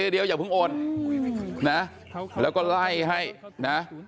เดี๋ยวอย่าเพิ่งโอนนะแล้วก็ไล่ให้นะ